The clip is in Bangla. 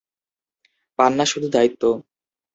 পান না শুধু দায়িত্ব।